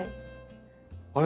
あれ？